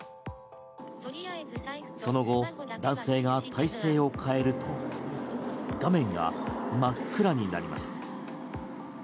その後、男性が体勢を変えると画面が真っ暗になります。